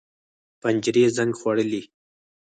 پنجرې زنګ خوړلي